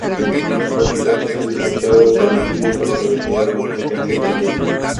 Manu Sánchez es licenciado en Periodismo por la Universidad Complutense de Madrid.